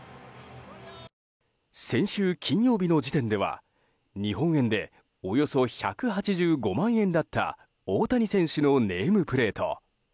先週金曜日の時点では日本円でおよそ１８５万円だった大谷選手のネームプレート。